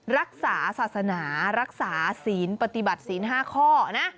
รักษาศาสนารักษาศีลปฏิบัติศีล๕ข้อนะ